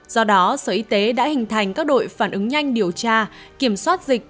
do đó sở y tế đã hình thành các đội phản ứng nhanh điều tra kiểm soát dịch